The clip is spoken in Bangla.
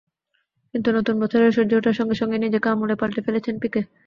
কিন্তু নতুন বছরের সূর্য ওঠার সঙ্গে সঙ্গেই নিজেকে আমূলে পাল্টে ফেলেছেন পিকে।